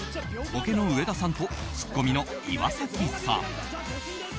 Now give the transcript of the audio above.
ボケの上田さんとツッコミの岩崎さん。